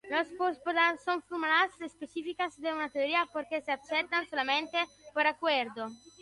Los postulados son fórmulas específicas de una teoría que se aceptan solamente por acuerdo.